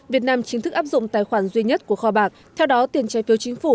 việt nam chính thức áp dụng tài khoản duy nhất của kho bạc theo đó tiền trái phiếu chính phủ